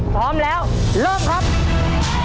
กล่อข้าวหลามใส่กระบอกภายในเวลา๓นาที